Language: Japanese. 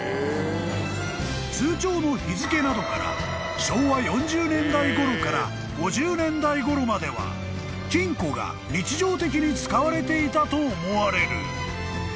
［通帳の日付などから昭和４０年代ごろから５０年代ごろまでは金庫が日常的に使われていたと思われる］